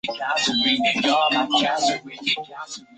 多齿安蛛为栉足蛛科安蛛属的动物。